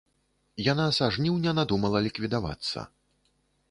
Яна са жніўня надумала ліквідавацца.